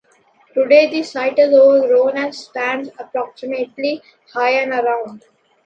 Today the site is overgrown and stands approximately high and around.